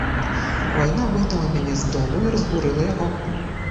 Вайна выгнала мяне з дому і разбурыла яго.